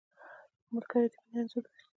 ملګری د مینې انځور دی